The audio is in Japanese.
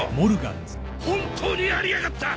本当にやりやがった！